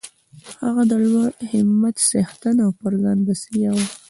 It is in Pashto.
هغه د لوړ همت څښتن او پر ځان بسیا و